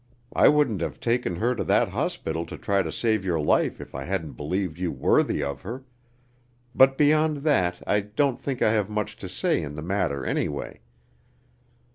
I wouldn't have taken her to that hospital to try to save your life if I hadn't believed you worthy of her; but beyond that I don't think I have much to say in the matter anyway.